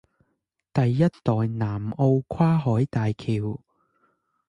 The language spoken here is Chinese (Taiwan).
第一代南方澳跨海大橋